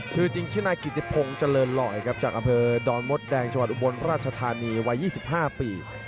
ชื่อจริงชื่อหน้ากิติพงศ์เจริญลอยจากกระเภอดอนมดแดงจังหวัดอุบรณราชธานีวัย๒๕ปี